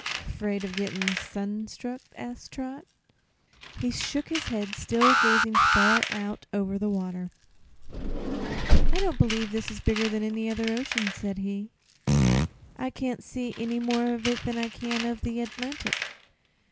"'Fraid of gett'n' sun struck?" asked Trot. He shook his head, still gazing far out over the water. "I don't b'lieve this is bigger than any other ocean," said he. "I can't see any more of it than I can of the Atlantic."